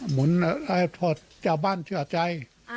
หมุนอะไรถอดเจ้าบ้านเชื่อใจ